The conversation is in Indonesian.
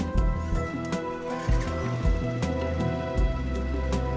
sampai jumpa lagi